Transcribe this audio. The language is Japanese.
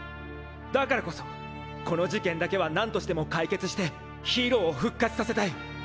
だからこそこの事件だけは何としても解決してヒーローを復活させたい。